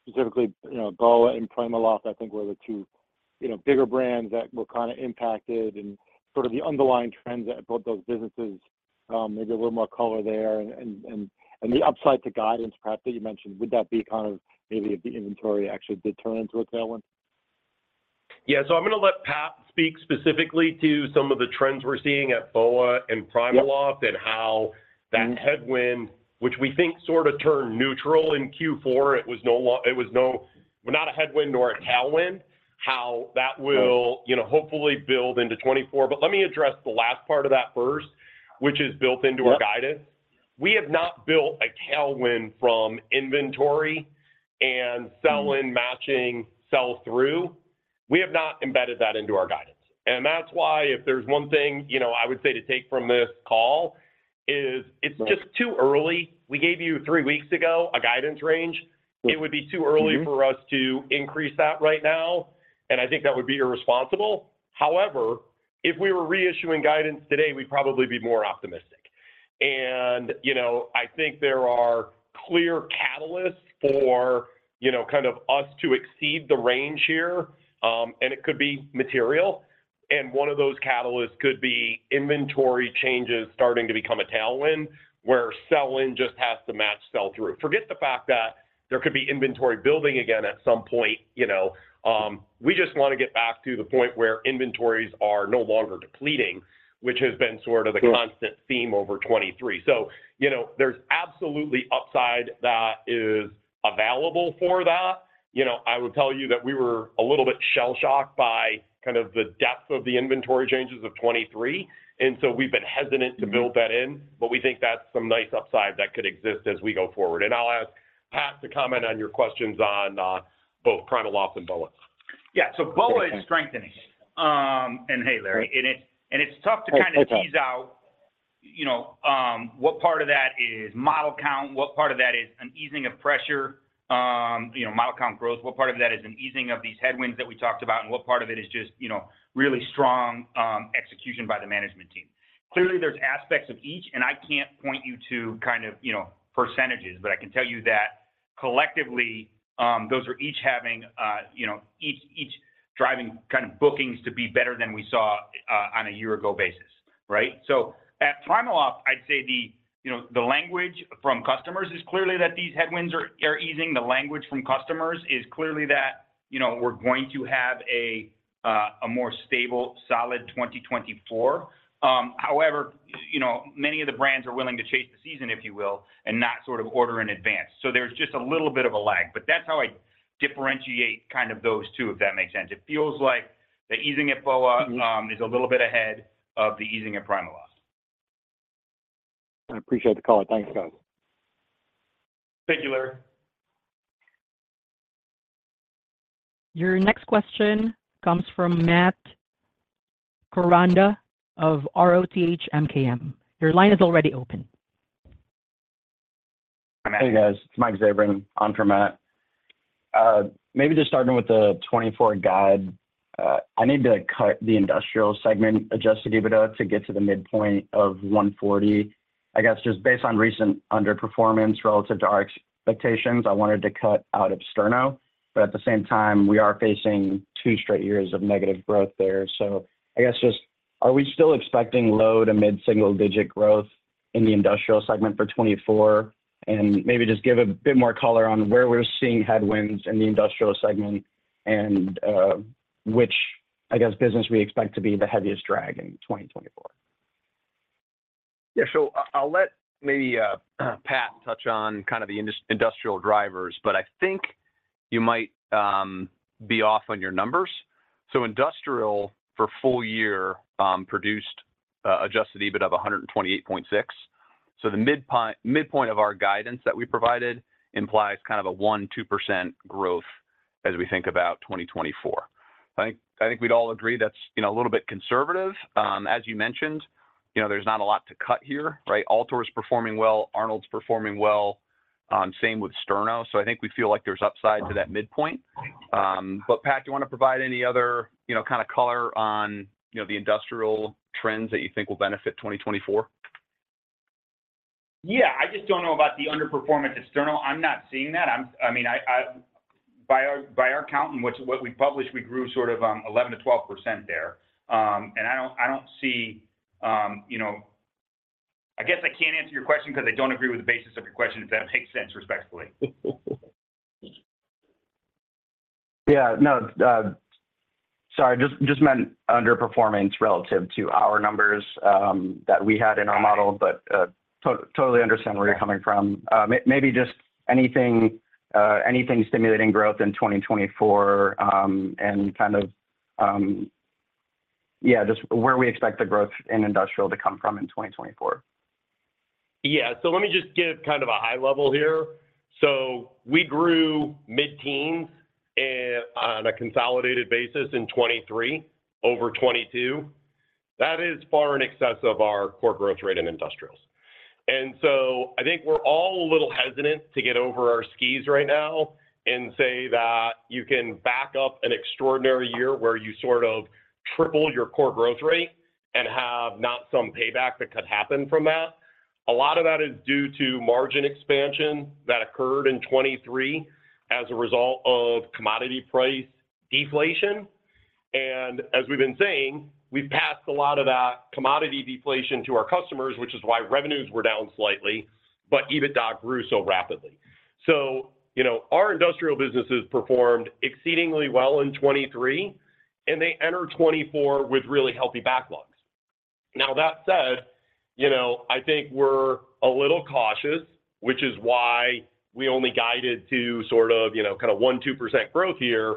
specifically, you know, BOA and PrimaLoft, I think, were the two, you know, bigger brands that were kinda impacted and sort of the underlying trends at both those businesses, maybe a little more color there and the upside to guidance, Pat, that you mentioned, would that be kind of maybe if the inventory actually did turn into a tailwind? Yeah, so I'm gonna let Pat speak specifically to some of the trends we're seeing at BOA and PrimaLoft- Yep. - and how that headwind, which we think sort of turned neutral in Q4, it was not a headwind nor a tailwind, how that will- Right... you know, hopefully build into 2024. But let me address the last part of that first, which is built into our guidance. Yep. We have not built a tailwind from inventory and sell-in matching sell-through. We have not embedded that into our guidance. And that's why if there's one thing, you know, I would say to take from this call, is it's just too early. Right. We gave you three weeks ago a guidance range. It would be too early for us to increase that right now, and I think that would be irresponsible. However, if we were reissuing guidance today, we'd probably be more optimistic. And, you know, I think there are clear catalysts for, you know, kind of us to exceed the range here, and it could be material. And one of those catalysts could be inventory changes starting to become a tailwind, where sell-in just has to match sell-through. Forget the fact that there could be inventory building again at some point, you know. We just want to get back to the point where inventories are no longer depleting, which has been sort of- Sure... a constant theme over 2023. So, you know, there's absolutely upside that is available for that. You know, I would tell you that we were a little bit shell-shocked by kind of the depth of the inventory changes of 2023, and so we've been hesitant to build that in, but we think that's some nice upside that could exist as we go forward. And I'll ask Pat to comment on your questions on both PrimaLoft and BOA. Yeah, so BOA is strengthening. Hey, Larry. Hey, Pat. It's tough to kind of tease out, you know, what part of that is model count, what part of that is an easing of pressure, you know, model count growth, what part of that is an easing of these headwinds that we talked about, and what part of it is just, you know, really strong execution by the management team. Clearly, there's aspects of each, and I can't point you to kind of, you know, percentages, but I can tell you that collectively, those are each having, you know, each driving kind of bookings to be better than we saw on a year ago basis, right? So at PrimaLoft, I'd say the, you know, the language from customers is clearly that these headwinds are easing. The language from customers is clearly that, you know, we're going to have a more stable, solid 2024. However, you know, many of the brands are willing to chase the season, if you will, and not sort of order in advance. So there's just a little bit of a lag. But that's how I differentiate kind of those two, if that makes sense. It feels like the easing at BOA is a little bit ahead of the easing at PrimaLoft. I appreciate the call. Thanks, guys. Thank you, Larry. Your next question comes from Matt Koranda of ROTH MKM. Your line is already open. Hey, guys. It's Mike Zaverin on for Matt. Maybe just starting with the 2024 guide. I need to cut the industrial segment adjusted EBITDA to get to the midpoint of $140. I guess just based on recent underperformance relative to our expectations, I wanted to cut out of Sterno, but at the same time, we are facing two straight years of negative growth there. So I guess just, are we still expecting low to mid-single-digit growth in the industrial segment for 2024? And maybe just give a bit more color on where we're seeing headwinds in the industrial segment and, which, I guess, business we expect to be the heaviest drag in 2024. Yeah, so I'll let maybe Pat touch on kind of the industrial drivers, but I think you might be off on your numbers. So industrial, for full year, produced adjusted EBIT of $128.6. So the midpoint of our guidance that we provided implies kind of a 1%-2% growth as we think about 2024. I think we'd all agree that's, you know, a little bit conservative. Yep. As you mentioned, you know, there's not a lot to cut here, right? Altor is performing well, Arnold's performing well, same with Sterno. So I think we feel like there's upside to that midpoint. But Pat, do you want to provide any other, you know, kind of color on, you know, the industrial trends that you think will benefit 2024?... Yeah, I just don't know about the underperformance external. I'm not seeing that. I mean, by our count and what we published, we grew sort of 11%-12% there. And I don't see, you know, I guess I can't answer your question 'cause I don't agree with the basis of your question, if that makes sense, respectfully. Yeah. No, sorry, just, just meant underperforming relative to our numbers that we had in our model. Got it. But, totally understand where you're coming from. Yeah. Maybe just anything, anything stimulating growth in 2024, and kind of, yeah, just where we expect the growth in industrial to come from in 2024? Yeah. So let me just give kind of a high level here. So we grew mid-teens on a consolidated basis in 2023, over 2022. That is far in excess of our core growth rate in industrials. And so I think we're all a little hesitant to get over our skis right now and say that you can back up an extraordinary year where you sort of triple your core growth rate and have not some payback that could happen from that. A lot of that is due to margin expansion that occurred in 2023 as a result of commodity price deflation. And as we've been saying, we've passed a lot of that commodity deflation to our customers, which is why revenues were down slightly, but EBITDA grew so rapidly. So, you know, our industrial businesses performed exceedingly well in 2023, and they enter 2024 with really healthy backlogs. Now, that said, you know, I think we're a little cautious, which is why we only guided to sort of, you know, kind of 1%-2% growth here.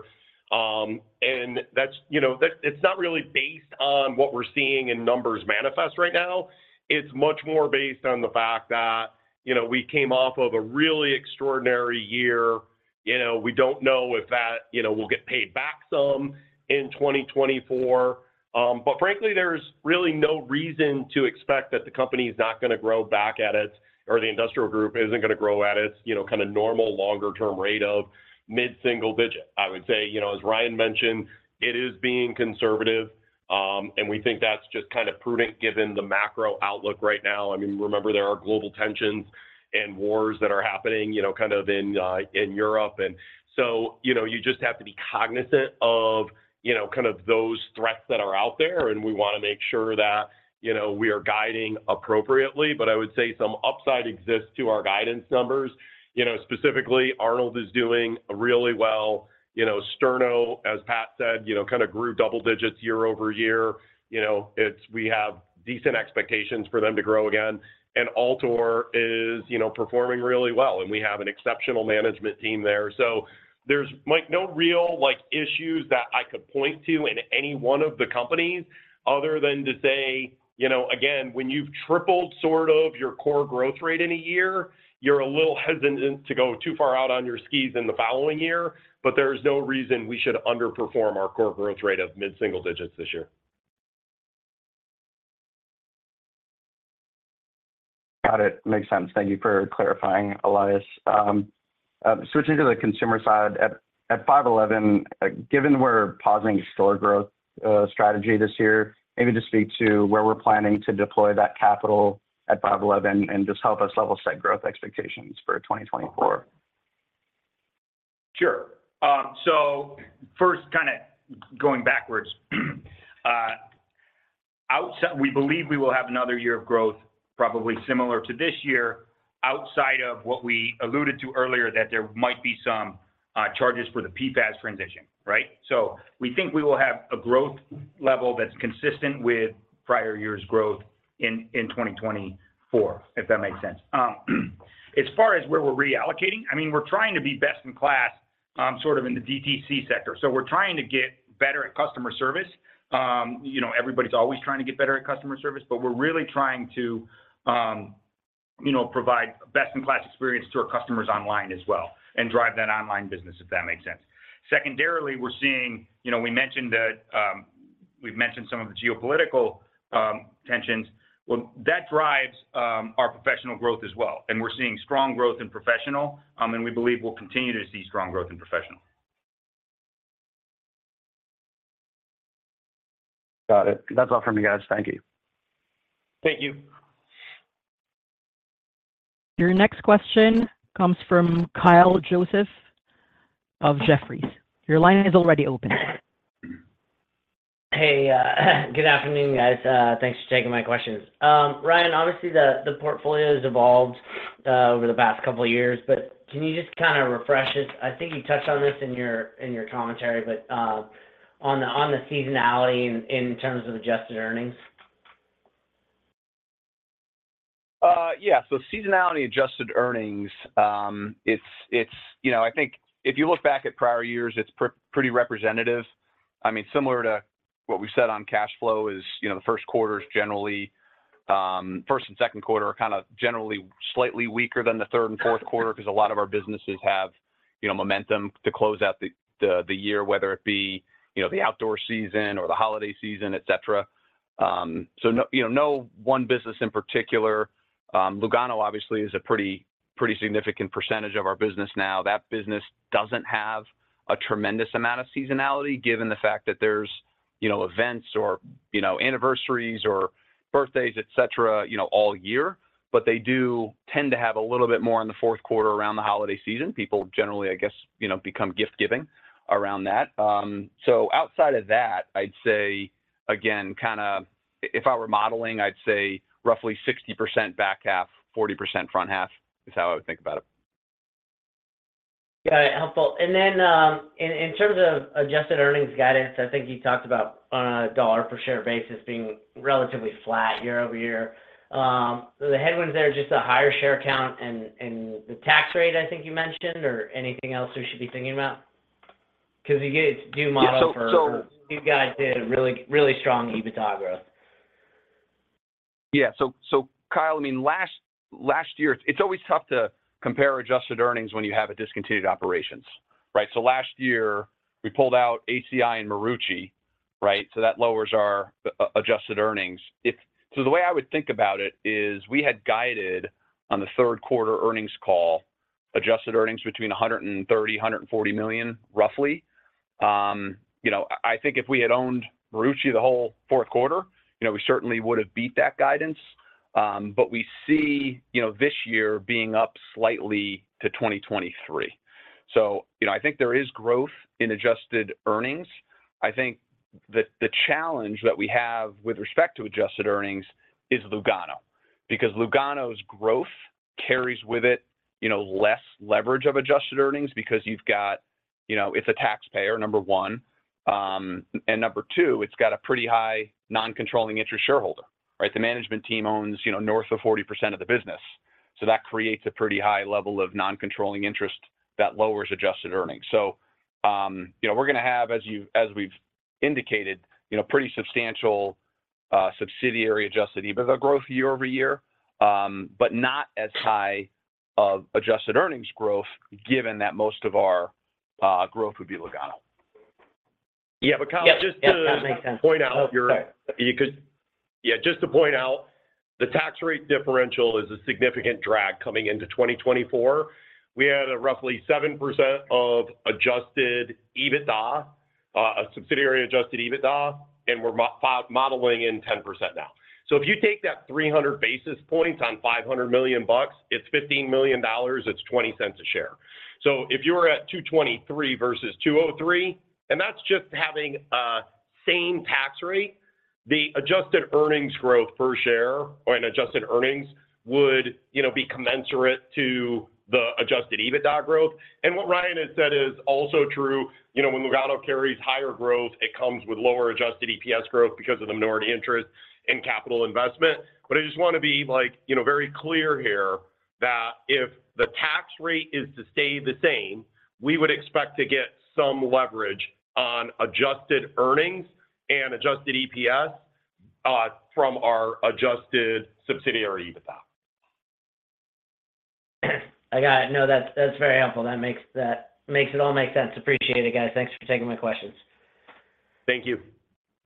And that's, you know, that—it's not really based on what we're seeing in numbers manifest right now. It's much more based on the fact that, you know, we came off of a really extraordinary year. You know, we don't know if that, you know, will get paid back some in 2024. But frankly, there's really no reason to expect that the company is not gonna grow back at it, or the industrial group isn't gonna grow at its, you know, kind of normal, longer term rate of mid-single digit. I would say, you know, as Ryan mentioned, it is being conservative, and we think that's just kind of prudent given the macro outlook right now. I mean, remember, there are global tensions and wars that are happening, you know, kind of in, in Europe. And so, you know, you just have to be cognizant of, you know, kind of those threats that are out there, and we wanna make sure that, you know, we are guiding appropriately. But I would say some upside exists to our guidance numbers. You know, specifically, Arnold is doing really well. You know, Sterno, as Pat said, you know, kind of grew double digits year over year. You know, it's we have decent expectations for them to grow again. And Altor is, you know, performing really well, and we have an exceptional management team there. So there's, like, no real, like, issues that I could point to in any one of the companies other than to say, you know, again, when you've tripled sort of your core growth rate in a year, you're a little hesitant to go too far out on your skis in the following year. But there is no reason we should underperform our core growth rate of mid-single digits this year. Got it. Makes sense. Thank you for clarifying, Elias. Switching to the consumer side, at 5.11, given we're pausing store growth strategy this year, maybe just speak to where we're planning to deploy that capital at 5.11 and just help us level set growth expectations for 2024. Sure. So first, kinda going backwards, outside, we believe we will have another year of growth, probably similar to this year, outside of what we alluded to earlier, that there might be some charges for the PFAS transition, right? So we think we will have a growth level that's consistent with prior years' growth in 2024, if that makes sense. As far as where we're reallocating, I mean, we're trying to be best in class, sort of in the DTC sector. So we're trying to get better at customer service. You know, everybody's always trying to get better at customer service, but we're really trying to provide best-in-class experience to our customers online as well and drive that online business, if that makes sense. Secondarily, we're seeing... You know, we mentioned that, we've mentioned some of the geopolitical tensions. Well, that drives our professional growth as well, and we're seeing strong growth in professional, and we believe we'll continue to see strong growth in professional. Got it. That's all for me, guys. Thank you. Thank you. Your next question comes from Kyle Joseph of Jefferies. Your line is already open. Hey, good afternoon, guys. Thanks for taking my questions. Ryan, obviously, the portfolio has evolved over the past couple of years, but can you just kind of refresh us? I think you touched on this in your commentary, but on the seasonality in terms of adjusted earnings. Yeah. So seasonality adjusted earnings, it's, you know... I think if you look back at prior years, it's pretty representative. I mean, similar to what we said on cash flow is, you know, the Q1 is generally first and Q2 are kind of generally slightly weaker than the third and Q4 'cause a lot of our businesses have, you know, momentum to close out the, the year, whether it be, you know, the outdoor season or the holiday season, et cetera. So no, you know, no one business in particular. Lugano obviously is a pretty significant percentage of our business now. That business doesn't have a tremendous amount of seasonality, given the fact that there's-... you know, events or, you know, anniversaries or birthdays, et cetera, you know, all year. But they do tend to have a little bit more in the Q4 around the holiday season. People generally, I guess, you know, become gift-giving around that. So outside of that, I'd say again, kinda, if I were modeling, I'd say roughly 60% back half, 40% front half, is how I would think about it. Got it. Helpful. And then, in terms of Adjusted Earnings guidance, I think you talked about on a dollar per share basis being relatively flat year-over-year. So the headwinds there, just a higher share count and the tax rate, I think you mentioned, or anything else we should be thinking about? Because you get it to do model for- Yeah. So, You guys did a really, really strong EBITDA growth. Yeah. So, Kyle, I mean, last year... It's always tough to compare Adjusted Earnings when you have a discontinued operations, right? So last year, we pulled out ACI and Marucci, right? So that lowers our Adjusted Earnings. So the way I would think about it is, we had guided on the Q3 earnings call, Adjusted Earnings between $100-$140 million, roughly. You know, I think if we had owned Marucci the whole Q4, you know, we certainly would have beat that guidance. But we see, you know, this year being up slightly to 2023. So, you know, I think there is growth in Adjusted Earnings. I think the challenge that we have with respect to Adjusted Earnings is Lugano, because Lugano's growth carries with it, you know, less leverage of Adjusted Earnings because you've got, you know, it's a taxpayer, number one. And number two, it's got a pretty high non-controlling interest shareholder, right? The management team owns, you know, north of 40% of the business, so that creates a pretty high level of non-controlling interest that lowers Adjusted Earnings. So, you know, we're gonna have, as we've indicated, you know, pretty substantial Subsidiary Adjusted EBITDA growth year-over-year, but not as high of Adjusted Earnings growth, given that most of our growth would be Lugano. Yeah, but Kyle, just to- Yeah, that makes sense.... point out your- Sorry. You could. Yeah, just to point out, the tax rate differential is a significant drag coming into 2024. We had a roughly 7% of adjusted EBITDA, a subsidiary adjusted EBITDA, and we're modeling in 10% now. So if you take that 300 basis points on $500 million bucks, it's $15 million dollars, it's 20 cents a share. So if you were at 2.23 versus 2.03, and that's just having a same tax rate, the adjusted earnings growth per share or in adjusted earnings would, you know, be commensurate to the adjusted EBITDA growth. And what Ryan has said is also true. You know, when Lugano carries higher growth, it comes with lower adjusted EPS growth because of the minority interest in capital investment. But I just want to be, like, you know, very clear here that if the tax rate is to stay the same, we would expect to get some leverage on Adjusted Earnings and adjusted EPS from our Adjusted Subsidiary EBITDA. I got it. No, that's, that's very helpful. That makes, that makes it all make sense. Appreciate it, guys. Thanks for taking my questions. Thank you.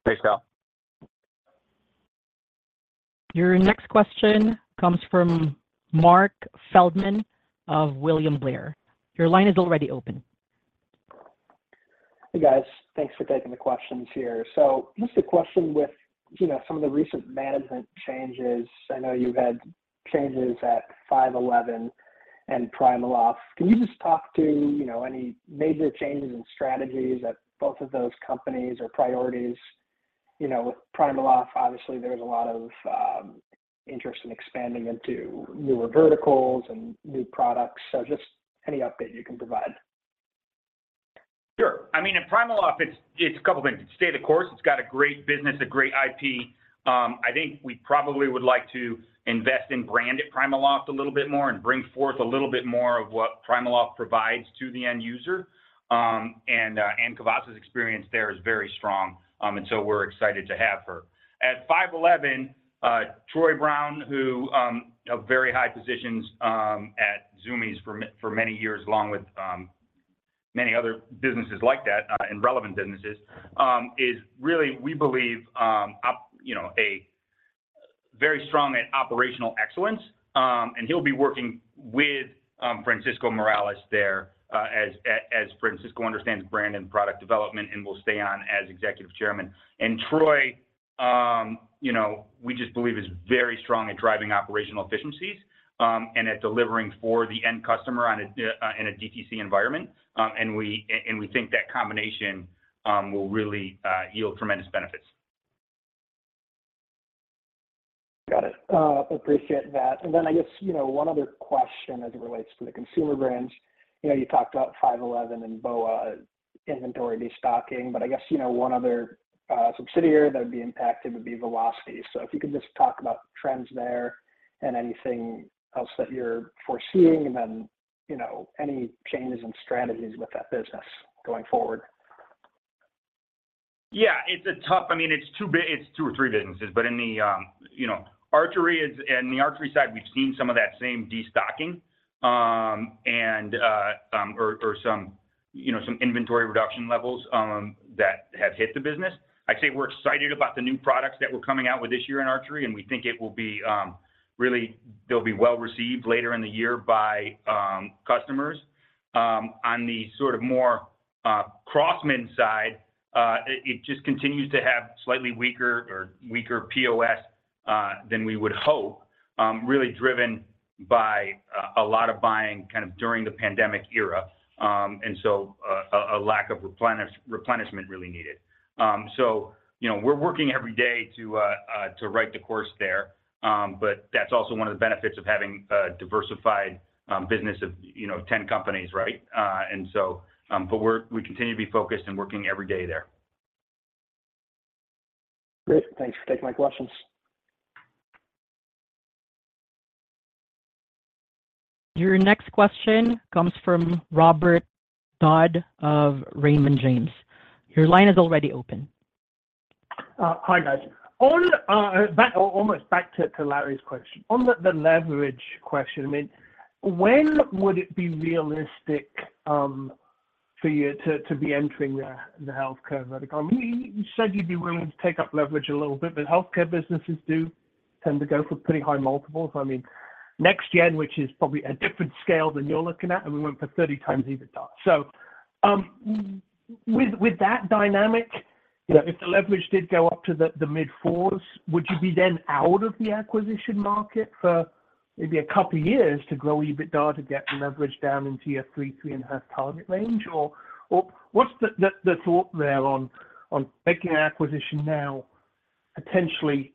Thanks, Kyle. Your next question comes from Matt Feldman of William Blair. Your line is already open. Hey, guys. Thanks for taking the questions here. So just a question with, you know, some of the recent management changes. I know you've had changes at 5.11 Tactical and PrimaLoft. Can you just talk to, you know, any major changes in strategies at both of those companies or priorities? You know, with PrimaLoft, obviously, there's a lot of interest in expanding into newer verticals and new products. So just any update you can provide. Sure. I mean, in PrimaLoft, it's a couple of things. It's state of course, it's got a great business, a great IP. I think we probably would like to invest in brand at PrimaLoft a little bit more and bring forth a little bit more of what PrimaLoft provides to the end user. And Ann Cavazza's experience there is very strong, and so we're excited to have her. At 5.11, Troy Brown, who of very high positions at Zumiez for many years, along with many other businesses like that and relevant businesses, is really, we believe, you know, a very strong at operational excellence. And he'll be working with Francisco Morales there, as Francisco understands brand and product development and will stay on as Executive Chairman. Troy, you know, we just believe is very strong at driving operational efficiencies and at delivering for the end customer in a DTC environment. We think that combination will really yield tremendous benefits. Got it. Appreciate that. And then I guess, you know, one other question as it relates to the consumer brands. You know, you talked about 5.11 and BOA inventory destocking, but I guess, you know, one other subsidiary that would be impacted would be Velocity. So if you could just talk about trends there and anything else that you're foreseeing, and then, you know, any changes in strategies with that business going forward? Yeah, it's a tough—I mean, it's two or three businesses, but in the, you know, in the archery side, we've seen some of that same destocking, and some, you know, some inventory reduction levels, that have hit the business. I'd say we're excited about the new products that we're coming out with this year in archery, and we think it will be, really, they'll be well-received later in the year by customers.... on the sort of more, Crosman side, it just continues to have slightly weaker or weaker POS than we would hope, really driven by a lot of buying kind of during the pandemic era. And so, a lack of replenishment really needed. So, you know, we're working every day to right the course there. But that's also one of the benefits of having a diversified business of, you know, 10 companies, right? And so, but we continue to be focused and working every day there. Great. Thanks for taking my questions. Your next question comes from Robert Dodd of Raymond James. Your line is already open. Hi, guys. Back to Larry's question. On the leverage question, I mean, when would it be realistic for you to be entering the healthcare vertical? I mean, you said you'd be willing to take up leverage a little bit, but healthcare businesses do tend to go for pretty high multiples. I mean, Next Gen, which is probably a different scale than you're looking at, and we went for 30x EBITDA. So, with that dynamic, you know, if the leverage did go up to the mid-fours, would you be then out of the acquisition market for maybe a couple of years to grow EBITDA to get the leverage down into your three-3.5 target range? Or, what's the thought there on making an acquisition now, potentially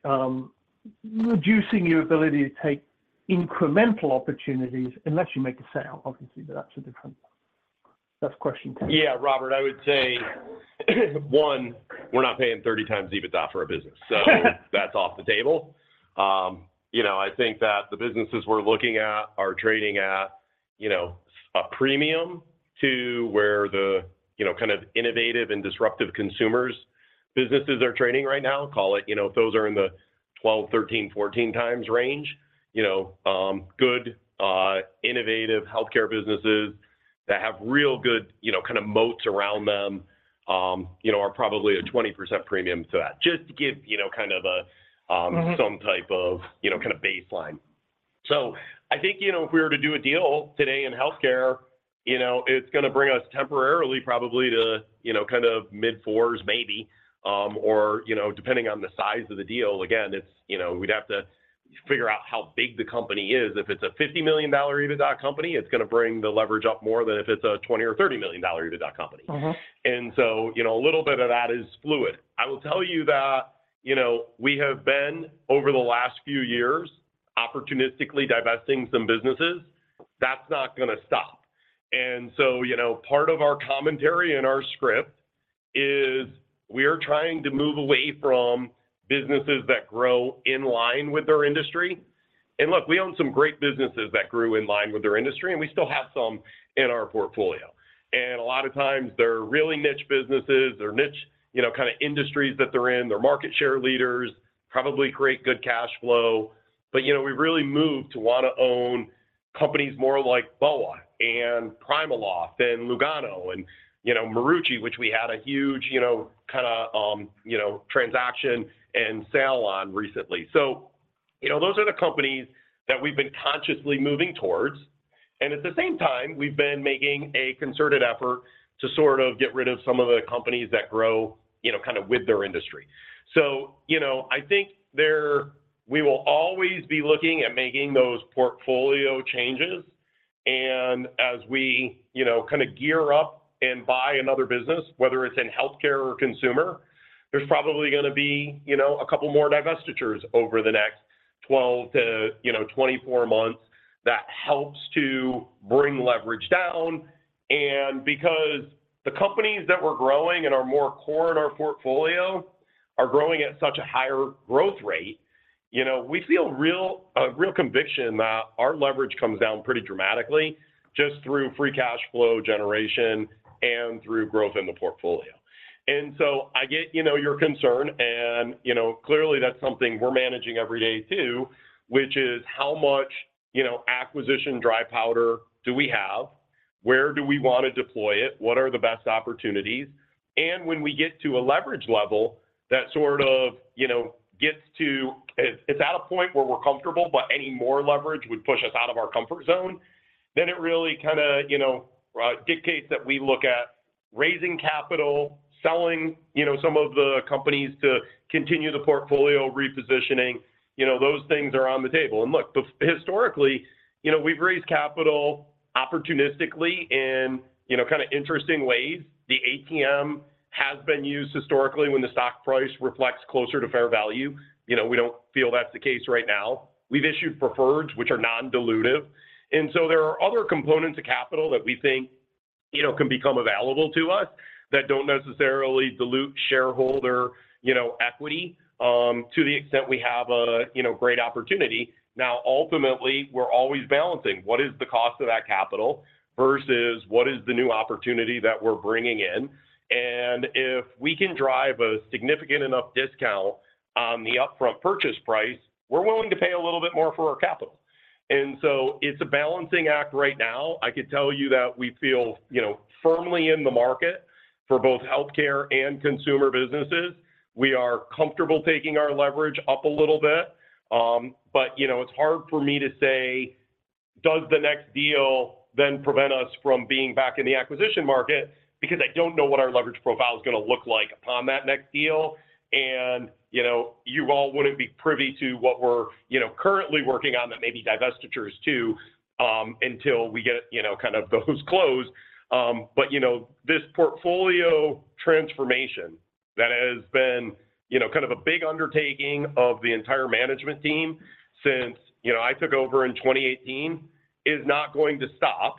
reducing your ability to take incremental opportunities unless you make a sale? Obviously, but that's a different... That's question two. Yeah, Robert, I would say, one, we're not paying 30x EBITDA for a business, so, that's off the table. You know, I think that the businesses we're looking at are trading at, you know, a premium to where the, you know, kind of innovative and disruptive consumer businesses are trading right now. Call it, you know, those are in the 12x-14x range, you know, good innovative healthcare businesses that have real good, you know, kind of moats around them, you know, are probably a 20% premium to that. Just to give, you know, kind of a,... some type of, you know, kind of baseline. So I think, you know, if we were to do a deal today in healthcare, you know, it's gonna bring us temporarily probably to, you know, kind of mid-fours, maybe, or, you know, depending on the size of the deal. Again, it's, you know, we'd have to figure out how big the company is. If it's a $50 million EBITDA company, it's gonna bring the leverage up more than if it's a $20 or 30 million EBITDA company. You know, a little bit of that is fluid. I will tell you that, you know, we have been, over the last few years, opportunistically divesting some businesses. That's not gonna stop. You know, part of our commentary and our script is we are trying to move away from businesses that grow in line with their industry. Look, we own some great businesses that grew in line with their industry, and we still have some in our portfolio. A lot of times they're really niche businesses or niche, you know, kind of industries that they're in. They're market share leaders, probably create good cash flow. You know, we've really moved to wanna own companies more like BOA and PrimaLoft and Lugano and, you know, Marucci, which we had a huge, you know, kinda, you know, transaction and sale on recently. So, you know, those are the companies that we've been consciously moving towards, and at the same time, we've been making a concerted effort to sort of get rid of some of the companies that grow, you know, kind of with their industry. So, you know, I think there, we will always be looking at making those portfolio changes, and as we, you know, kind of gear up and buy another business, whether it's in healthcare or consumer, there's probably gonna be, you know, a couple more divestitures over the next 12-24 months. That helps to bring leverage down, and because the companies that we're growing and are more core to our portfolio are growing at such a higher growth rate, you know, we feel a real conviction that our leverage comes down pretty dramatically just through free cash flow generation and through growth in the portfolio. And so I get, you know, your concern, and, you know, clearly that's something we're managing every day, too, which is how much, you know, acquisition dry powder do we have? Where do we want to deploy it? What are the best opportunities? And when we get to a leverage level, that sort of, you know, gets to... It's at a point where we're comfortable, but any more leverage would push us out of our comfort zone, then it really kinda, you know, dictates that we look at raising capital, selling, you know, some of the companies to continue the portfolio repositioning. You know, those things are on the table. Look, historically, you know, we've raised capital opportunistically in, you know, kind of interesting ways. The ATM has been used historically when the stock price reflects closer to fair value. You know, we don't feel that's the case right now. We've issued preferreds, which are non-dilutive. So there are other components of capital that we think, you know, can become available to us that don't necessarily dilute shareholder, you know, equity to the extent we have a, you know, great opportunity. Now, ultimately, we're always balancing what is the cost of that capital versus what is the new opportunity that we're bringing in. And if we can drive a significant enough discount on the upfront purchase price, we're willing to pay a little bit more for our capital. And so it's a balancing act right now. I can tell you that we feel, you know, firmly in the market for both healthcare and consumer businesses. We are comfortable taking our leverage up a little bit. But, you know, it's hard for me to say, does the next deal then prevent us from being back in the acquisition market? Because I don't know what our leverage profile is gonna look like upon that next deal, and, you know, you all wouldn't be privy to what we're, you know, currently working on, that may be divestitures, too, until we get, you know, kind of those closed. But, you know, this portfolio transformation that has been, you know, kind of a big undertaking of the entire management team since, you know, I took over in 2018, is not going to stop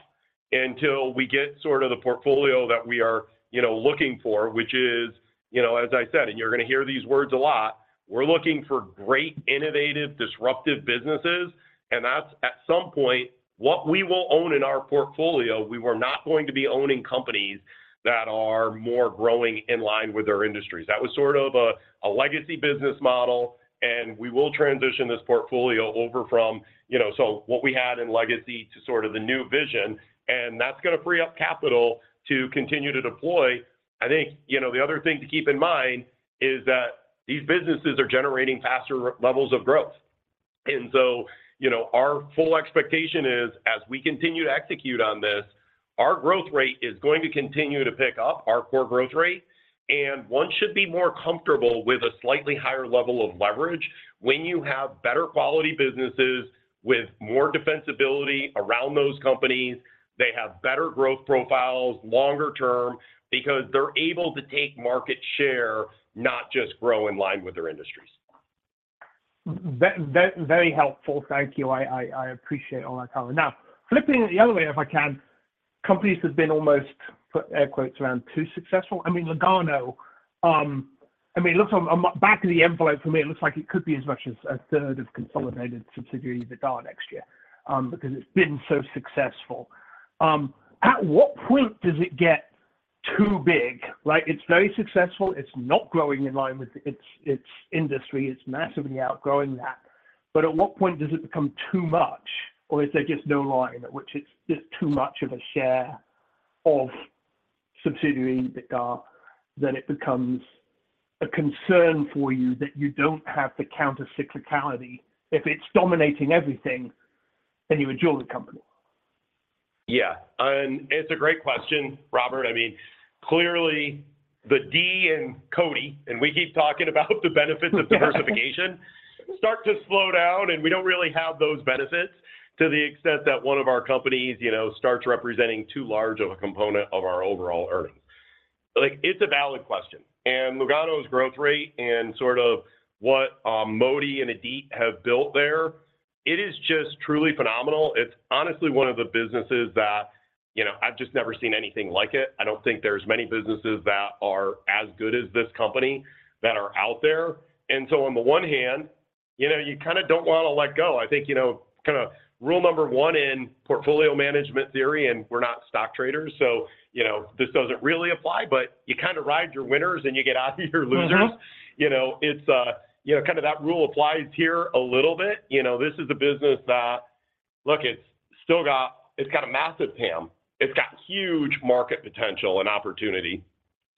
until we get sort of the portfolio that we are, you know, looking for. Which is, you know, as I said, and you're gonna hear these words a lot, we're looking for great, innovative, disruptive businesses, and that's at some point, what we will own in our portfolio. We were not going to be owning companies that are more growing in line with their industries. That was sort of a legacy business model, and we will transition this portfolio over from, you know... So what we had in legacy to sort of the new vision, and that's gonna free up capital to continue to deploy. I think, you know, the other thing to keep in mind is that these businesses are generating faster levels of growth. And so, you know, our full expectation is, as we continue to execute on this, our growth rate is going to continue to pick up, our core growth rate. And one should be more comfortable with a slightly higher level of leverage. When you have better quality businesses with more defensibility around those companies, they have better growth profiles longer term, because they're able to take market share, not just grow in line with their industries. Very helpful. Thank you. I appreciate all that, Colin. Now, flipping it the other way, if I can, companies have been almost, put air quotes around, "too successful." I mean, Lugano, I mean, it looks on back of the envelope for me, it looks like it could be as much as a third of consolidated subsidiary EBITDA next year, because it's been so successful. At what point does it get too big? Like, it's very successful. It's not growing in line with its industry. It's massively outgrowing that. But at what point does it become too much, or is there just no line at which it's just too much of a share of subsidiary EBITDA, then it becomes a concern for you that you don't have the counter cyclicality? If it's dominating everything, then you would join the company. Yeah, and it's a great question, Robert. I mean, clearly, the D in CODI, and we keep talking about the benefits of diversification, start to slow down, and we don't really have those benefits to the extent that one of our companies, you know, starts representing too large of a component of our overall earnings. Like, it's a valid question, and Lugano's growth rate and sort of what, Modi and Adit have built there, it is just truly phenomenal. It's honestly one of the businesses that, you know, I've just never seen anything like it. I don't think there's many businesses that are as good as this company that are out there. And so on the one hand, you know, you kinda don't wanna let go. I think, you know, kinda rule number one in portfolio management theory, and we're not stock traders, so, you know, this doesn't really apply, but you kinda ride your winners and you get out of your losers. You know, it's you know, kind of that rule applies here a little bit. You know, this is a business that... Look, it's got a massive TAM. It's got huge market potential and opportunity.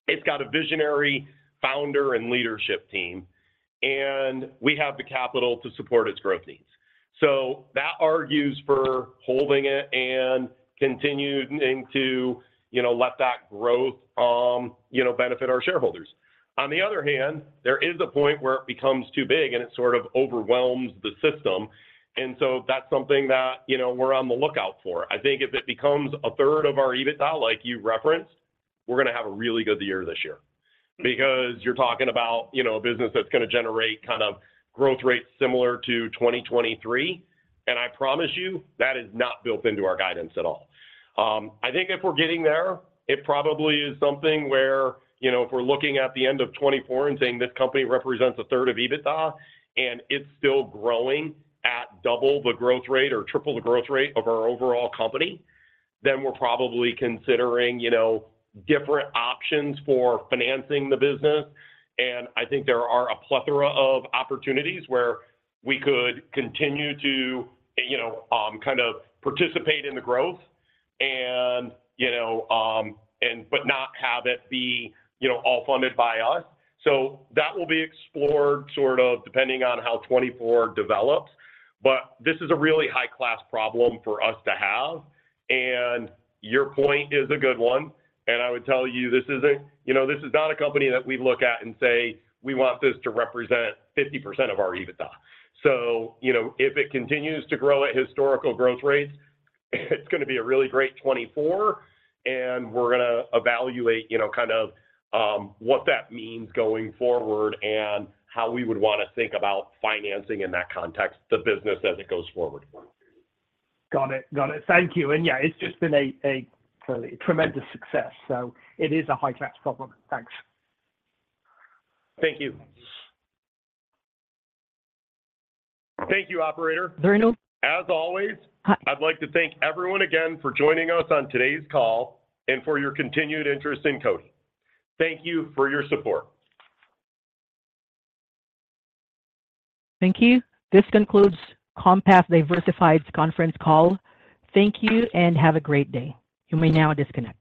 It's got a visionary founder and leadership team, and we have the capital to support its growth needs. So that argues for holding it and continuing to, you know, let that growth, you know, benefit our shareholders. On the other hand, there is a point where it becomes too big, and it sort of overwhelms the system, and so that's something that, you know, we're on the lookout for. I think if it becomes a third of our EBITDA, like you referenced, we're gonna have a really good year this year. Because you're talking about, you know, a business that's gonna generate kind of growth rates similar to 2023, and I promise you, that is not built into our guidance at all. I think if we're getting there, it probably is something where, you know, if we're looking at the end of 2024 and saying, "This company represents a third of EBITDA," and it's still growing at double the growth rate or triple the growth rate of our overall company, then we're probably considering, you know, different options for financing the business. And I think there are a plethora of opportunities where we could continue to, you know, kind of participate in the growth and, you know, and but not have it be, you know, all funded by us. So that will be explored, sort of depending on how 2024 develops. But this is a really high-class problem for us to have, and your point is a good one, and I would tell you, this isn't- you know, this is not a company that we look at and say, "We want this to represent 50% of our EBITDA." So, you know, if it continues to grow at historical growth rates, it's gonna be a really great 2024, and we're gonna evaluate, you know, kind of, what that means going forward and how we would wanna think about financing in that context, the business as it goes forward. Got it. Got it. Thank you. And yeah, it's just been a truly tremendous success, so it is a high-class problem. Thanks. Thank you. Thank you, operator. Very well. As always- Hi... I'd like to thank everyone again for joining us on today's call and for your continued interest in CODI. Thank you for your support. Thank you. This concludes Compass Diversified's conference call. Thank you, and have a great day. You may now disconnect.